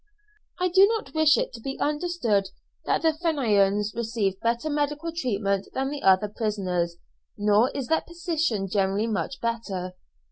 I do not wish it to be understood that the Fenians receive better medical treatment than the other prisoners, nor is their position generally much better.